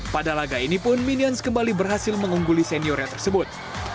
pada laga ini pun minions kembali berhasil mengungguli seniornya tersebut